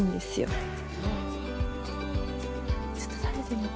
ちょっと食べてみよう。